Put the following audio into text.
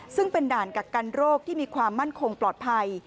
ซึ่งเป็นด่านกักกันโรคที่มีความมั่นคงปลอดภัย